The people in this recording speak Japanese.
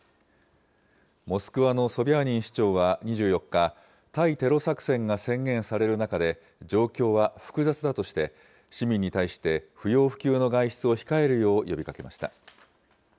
モスクワのソビャーニン市長は、２４日、対テロ作戦が宣言される中で、状況は複雑だとして市民に対して、不要不急の外出を控えるよう呼びかけました。